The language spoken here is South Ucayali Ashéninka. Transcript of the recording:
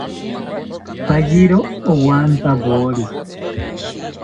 Payiro owantyawori